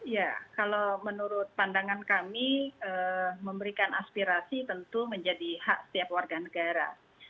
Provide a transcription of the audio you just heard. ya kalau menurut pandangan kami memberikan aspirasi tentu menjadi hak setiap warga negara